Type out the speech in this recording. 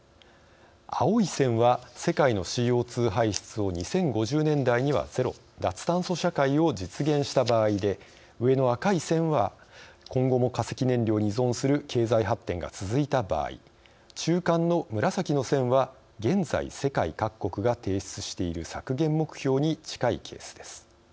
青い線は世界のＣＯ２排出を２０５０年代にはゼロ・脱炭素社会を実現した場合で上の赤い線は今後も化石燃料に依存する経済発展が続いた場合中間の紫の線は現在、世界各国が提出している削減目標に近いケースです。